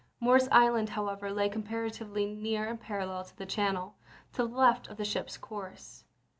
Morris Island, however, lay comparatively near and parallel to the channel, to the left of the ship's course.